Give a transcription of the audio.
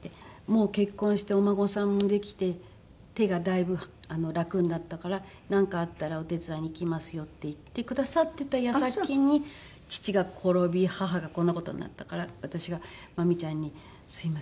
もう結婚してお孫さんもできて手がだいぶ楽になったから「なんかあったらお手伝いに行きますよ」って言ってくださってた矢先に父が転び母がこんな事になったから私がまみちゃんに「すみません。